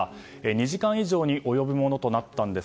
２時間以上に及ぶものとなったんです。